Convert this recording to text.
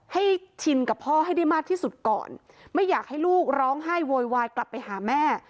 ชินกับพ่อให้ได้มากที่สุดก่อนไม่อยากให้ลูกร้องไห้โวยวายกลับไปหาแม่